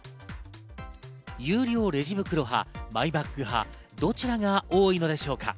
有料レジ袋派、マイバッグ派、どちらが多いのでしょうか？